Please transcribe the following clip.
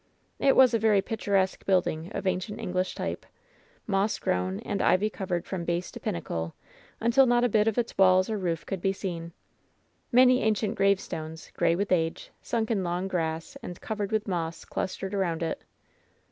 It was a very picturesque building of ancient English type — ^moss grown and ivy covered from base to pin nacle, until not a bit of its walls or roof could be seen. Many ancient gravestones, gray with age, sunk in long grass and covered with moss, clustered around it.